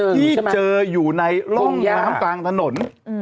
ที่เจออยู่ในร่องน้ำกลางถนน